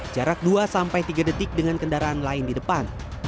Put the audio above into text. jarak dua sampai tiga detik dengan kendaraan lain di depan